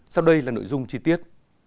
sau đây là nội dung chi tiết